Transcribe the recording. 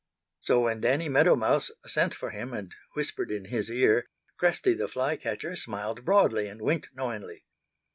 So when Danny Meadow Mouse sent for him and whispered in his ear Cresty the Fly catcher smiled broadly and winked knowingly.